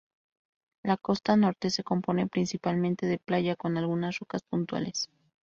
La costa norte se compone principalmente de playa, con algunas rocas puntuales.